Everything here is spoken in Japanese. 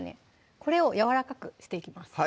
これをやわらかくしていきます